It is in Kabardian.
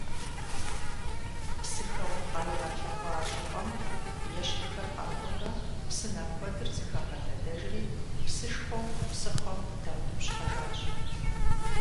Псыхэуэм къаригъэлъэгъуа щӀыпӀэм ещхьхэр къатӀыурэ псынэ куэдыр зыхагъэлъэдэжри псышхуэу псыхъуэм даутӀыпщхьэжащ.